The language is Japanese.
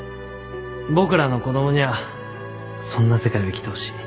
僕らの子供にゃあそんな世界を生きてほしい。